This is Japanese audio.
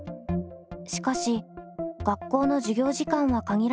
しかし学校の授業時間は限られています。